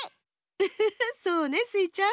ウフフそうねスイちゃん。